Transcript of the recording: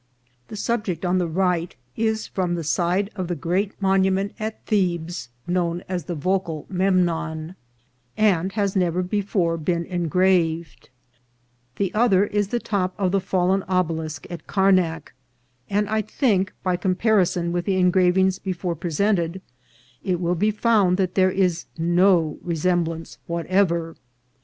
The subject on the right is from the side of the great monument at Thebes known VOL. II.— 3 K 442 INCIDENTS OF TRAVEL. as the vocal Memnon, and has never before been en graved. The other is the top of the fallen obelisk of Carnac ; and I think, by comparison with the engra vings before presented, it will be found that there is no resemblance whatever.